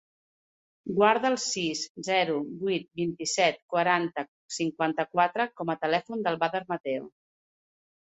Guarda el sis, zero, vuit, vint-i-set, quaranta, cinquanta-quatre com a telèfon del Badr Mateo.